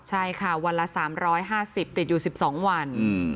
ใช่ค่ะวันละ๓๕๐ติดอยู่๑๒วัน